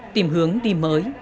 tìm hướng đi mới